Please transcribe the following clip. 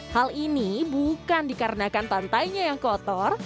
hal ini bukan dikarenakan pantainya yang kotor